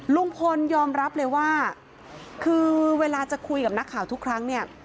ลุงพลยอมรับเลยว่าคือเวลาจะคุยกับนักข่าวทุกครั้งเนี่ย